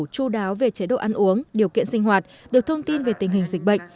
chú đáo về chế độ ăn uống điều kiện sinh hoạt được thông tin về tình hình dịch bệnh